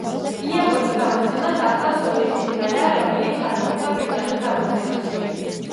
იაპონურ გამოცემას ახლავს ორი სიმღერა, რომელიც არ მოხვდა ბრიტანულ გამოცემებში.